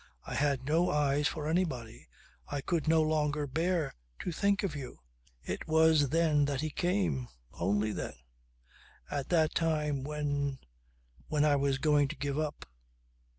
I had no eyes for anybody. I could no longer bear to think of you. It was then that he came. Only then. At that time when when I was going to give up."